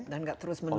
dan tidak terus menerus